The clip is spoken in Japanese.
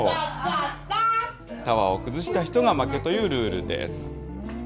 タワーを崩した人が負けというルールです。